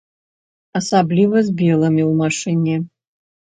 Асабліва з белымі ў машыне.